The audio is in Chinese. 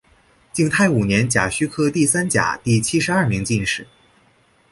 景泰五年甲戌科第三甲第七十二名进士。